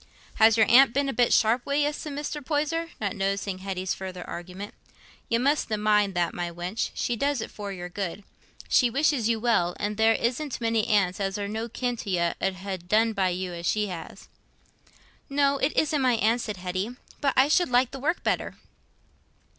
"Has your aunt been a bit sharp wi' you?" said Mr. Poyser, not noticing Hetty's further argument. "You mustna mind that, my wench—she does it for your good. She wishes you well; an' there isn't many aunts as are no kin to you 'ud ha' done by you as she has." "No, it isn't my aunt," said Hetty, "but I should like the work better."